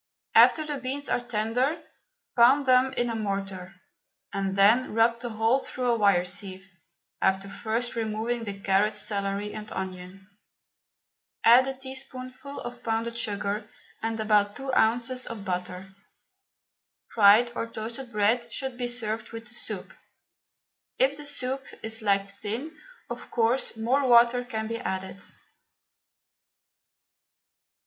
After the beans are tender, pound them in a mortar, and then rub the whole through a wire sieve, after first removing the carrot, celery and onion. Add a teaspoonful of pounded sugar and about two ounces of butter. Fried or toasted bread should be served with the soup. If the soup is liked thin, of course more water can be added.